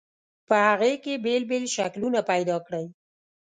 په هغې کې بېل بېل شکلونه پیدا کړئ.